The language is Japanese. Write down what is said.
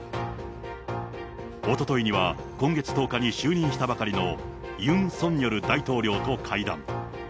おとといには、今月１０日に就任したばかりのユン・ソンニョル大統領と会談。